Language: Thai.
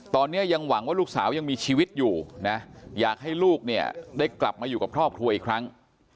ตอนนี้ยังหวังว่าลูกสาวยังมีชีวิตอยู่นะอยากให้ลูกเนี่ยได้กลับมาอยู่กับครอบครัวอีกครั้ง